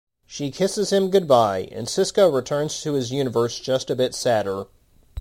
She kisses him goodbye, and Sisko returns to his universe just a bit sadder.